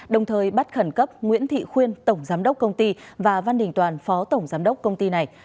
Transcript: đồng thời bắt khẩn cấp nguyễn thị khuyên tổng giám đốc công ty và văn đình toàn phó tổng giám đốc công ty này